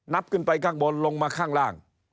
ขึ้นไปข้างบนลงมาข้างล่าง